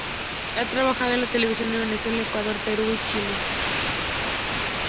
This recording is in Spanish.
Ha trabajado en la televisión de Venezuela, Ecuador, Perú y Chile.